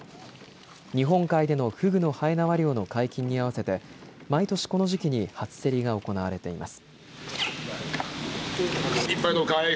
日本海でのフグのはえなわ漁の解禁に合わせて毎年この時期に初競りが行われています。